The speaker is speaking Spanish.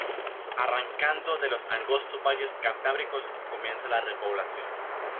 Arrancando de los angostos valles cantábricos comienza la repoblación.